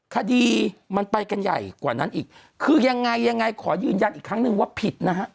คดีมันไปกันใหญ่กว่านั้นอีกคือยังไงยังไงขอยืนยันอีกครั้งนึงว่าผิดนะฮะ